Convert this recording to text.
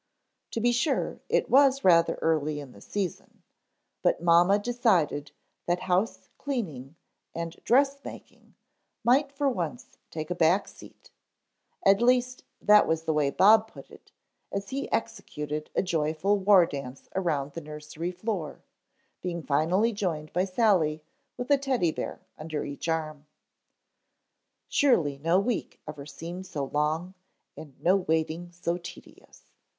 To be sure it was rather early in the season, but mamma decided that house cleaning and dress making might for once take a back seat At least that was the way Bob put it as he executed a joyful war dance around the nursery floor, being finally joined by Sally with a Teddy bear under each arm. Surely no week ever seemed so long and no waiting so tedious.